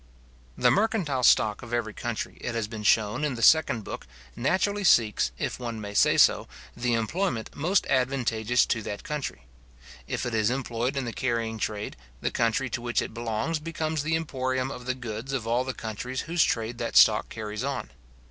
The mercantile stock of every country, it has been shown in the second book, naturally seeks, if one may say so, the employment most advantageous to that country. If it is employed in the carrying trade, the country to which it belongs becomes the emporium of the goods of all the countries whose trade that stock carries on.